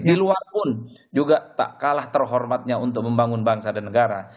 di luar pun juga tak kalah terhormatnya untuk membangun bangsa dan negara